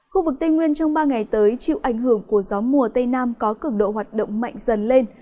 khu vực tây nguyên trong ba ngày tới chịu ảnh hưởng của gió mùa tây nam có cực độ hoạt động mạnh dần lên